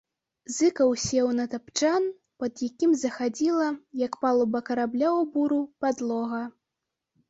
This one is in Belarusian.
Зыкаў сеў на тапчан, пад якім захадзіла, як палуба карабля ў буру, падлога.